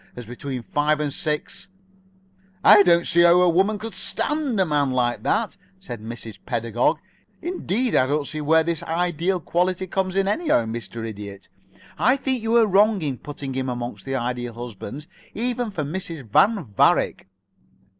as between five and six " "I don't see how a woman could stand a man like that," said Mrs. Pedagog. "Indeed, I don't see where his ideal qualities come in, anyhow, Mr. Idiot. I think you are wrong in putting him among the Ideal Husbands even for Mrs. Van Varick."